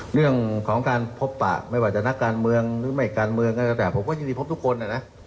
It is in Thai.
เรื่องของการพบปะไม่ว่าจะนักการเมืองหรือไม่การเมืองก็แล้วแต่ผมก็ยินดีพบทุกคนนะ